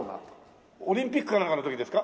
オリンピックかなんかの時ですか？